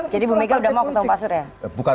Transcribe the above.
jadi bumega sudah mau ketemu pak sur ya